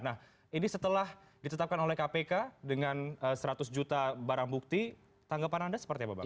nah ini setelah ditetapkan oleh kpk dengan seratus juta barang bukti tanggapan anda seperti apa bang